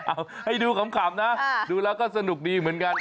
เอาให้ดูขำนะดูแล้วก็สนุกดีเหมือนกัน